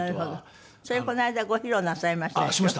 それをこの間ご披露なさいましたでしょ。